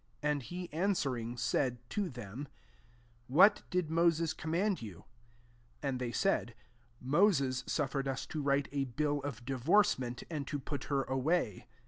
3 And he an swering, said to them, *• What did Moses command you ? 4 And they said, " Moses suffer ed its to write a bill of divorce ment, and to put her away."